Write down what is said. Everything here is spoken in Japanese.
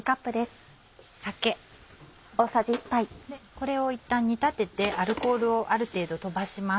これをいったん煮立ててアルコールをある程度飛ばします。